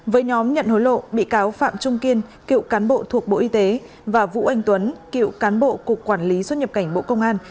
với nhóm nhận hối lộ bị cáo phạm trung kiên cựu cán bộ thuộc bộ y tế và vũ anh tuấn cựu cán bộ cục quản lý xuất nhập cảnh bộ công an